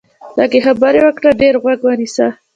لږې خبرې وکړه، ډېر غوږ ونیسه